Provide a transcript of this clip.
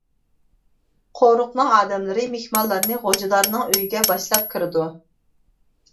قورۇقنىڭ ئادەملىرى مېھمانلارنى غوجىدارنىڭ ئۆيىگە باشلاپ كىرىدۇ.